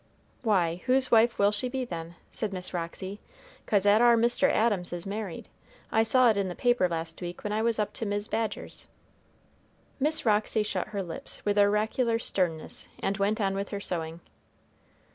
"Why, whose wife will she be then?" said Miss Ruey; "'cause that ar Mr. Adams is married. I saw it in the paper last week when I was up to Mis' Badger's." Miss Roxy shut her lips with oracular sternness and went on with her sewing.